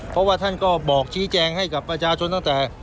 เพราะว่าท่านก็บอกชี้แจงให้กับประชาชนตั้งแต่